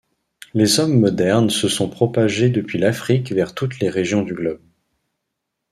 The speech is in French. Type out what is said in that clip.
Les hommes modernes se sont propagés depuis l'Afrique vers toutes les régions du globe.